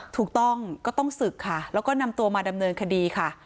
ถูกต้องก็ต้องศึกค่ะแล้วก็นำตัวมาดำเนินคดีค่ะ